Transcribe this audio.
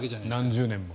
何十年も。